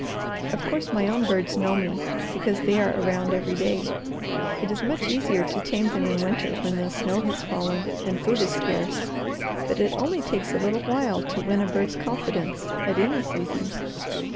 Of course, my own birds know me, because they are around every day. It is much easier to tame them in winter, when the snow has fallen and food is scarce, but it only takes a little while to win a bird's confidence at any season."